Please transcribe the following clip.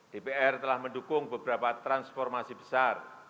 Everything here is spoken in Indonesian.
dpr telah mendukung beberapa transformasi besar